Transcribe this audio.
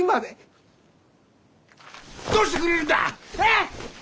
どうしてくれるんだ！ええ！？